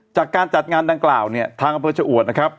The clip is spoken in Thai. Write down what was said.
จากการจัดงานดังกล่าวเนี่ยทางอำเภอชะอวดนะครับ